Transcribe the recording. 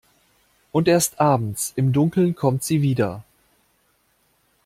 Und erst abends im Dunkeln kommt sie wieder.